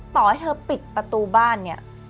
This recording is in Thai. ต่อให้เธอปิดประตูบ้านเนี่ย